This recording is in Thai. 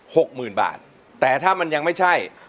หกหมื่นบาทแต่ถ้ามันยังไม่ใช่